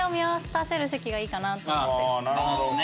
ああなるほどね。